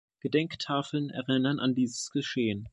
Gedenktafeln erinnern an dieses Geschehen.